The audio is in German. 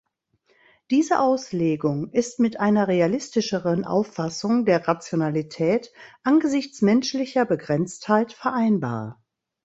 Diese Auslegung ist mit einer realistischeren Auffassung der Rationalität angesichts menschlicher Begrenztheit vereinbar.